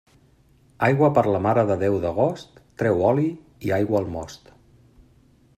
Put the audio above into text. Aigua per la Mare de Déu d'agost, treu oli i aigua al most.